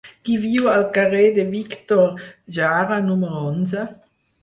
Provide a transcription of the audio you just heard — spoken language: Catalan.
Qui viu al carrer de Víctor Jara número onze?